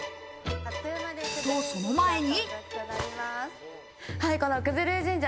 と、その前に。